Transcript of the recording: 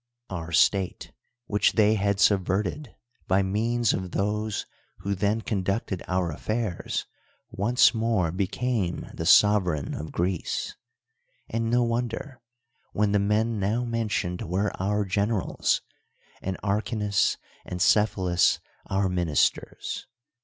Our state, which they had subverted, by means of those who then conducted our af fairs, once more became the sovereign of Greece ; and no wonder, when the men now mentioned were our generals, and Archinus and Cephalus our ministers.